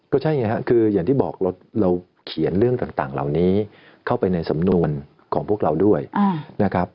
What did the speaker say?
ก็ใช่ไงครับคืออย่างที่บอกเราเขียนเรื่องต่างเหล่านี้เข้าไปในสำนวนของพวกเราด้วยนะครับ